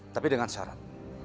tapi dengan syarat